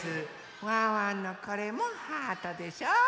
ワンワンのこれもハートでしょ。